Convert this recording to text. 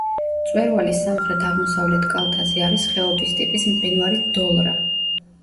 მწვერვალის სამხრეთ-აღმოსავლეთ კალთაზე არის ხეობის ტიპის მყინვარი დოლრა.